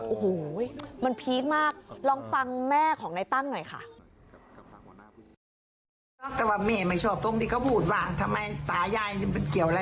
โอ้โหมันพีคมากลองฟังแม่ของนายตั้งหน่อยค่ะ